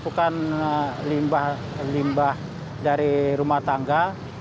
kita lakukan limbah limbah dari rumah tangga